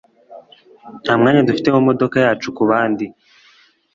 Nta mwanya dufite mu modoka yacu kubandi.